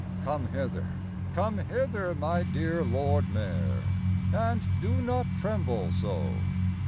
Come hither, come hither, my dear Lord Mayor, And do not tremble so!